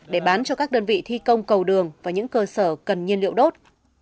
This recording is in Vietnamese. để bán cho các đơn vị thi công cầu đường và những cơ sở cần nhiên liệu đốt